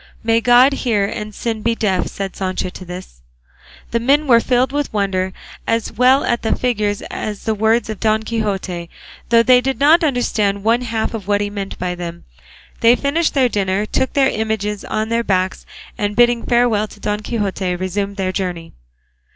"May God hear and sin be deaf," said Sancho to this. The men were filled with wonder, as well at the figure as at the words of Don Quixote, though they did not understand one half of what he meant by them. They finished their dinner, took their images on their backs, and bidding farewell to Don Quixote resumed their journey.